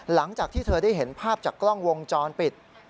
หลังจากที่เธอได้เห็นภาพจากกล้องวงจรปิด